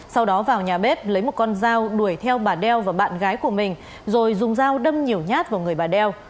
sau đó vào nhà bếp lấy một con dao đuổi theo bà đeo và bạn gái của mình rồi dùng dao đâm nhiều nhát vào người bà đeo